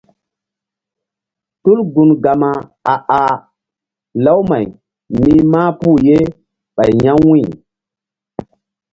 Tul gun Gama a ah lawmay ni̧h mahpuh ye ɓay ya̧ wu̧y.